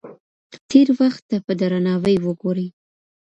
تېر وخت ته په درناوي وګورئ.